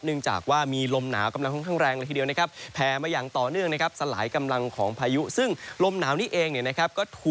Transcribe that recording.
เนื่องจากว่ามีลมหนาวกำลังค่อนข้างแรงละทีเดียวนะครับแพร่มาอย่างต่อเนื่องสลายกำลังของพายุ